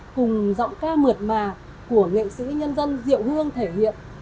cùng giọng ca mượt mà của nghệ sĩ nhân dân diệu hương thể hiện